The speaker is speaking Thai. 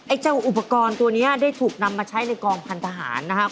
เจ้าอุปกรณ์ตัวนี้ได้ถูกนำมาใช้ในกองพันธหารนะครับ